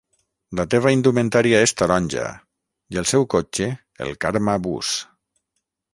La seva indumentària és taronja i el seu cotxe el Karma Bus.